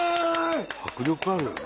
迫力あるよね。